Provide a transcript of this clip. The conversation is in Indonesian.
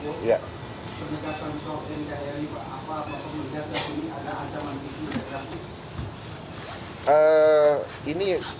pernikahkan soekarno hatta ini apa apa kemudian saat ini ada ancaman istri terhadap